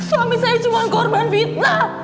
suami saya cuma korban fitnah